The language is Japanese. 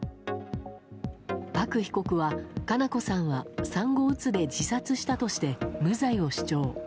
パク被告は、佳菜子さんは産後うつで自殺したとして無罪を主張。